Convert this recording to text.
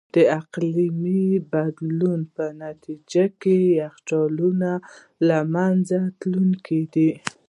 د اقلیمي بدلون په نتیجه کې یخچالونه له منځه تلونکي دي.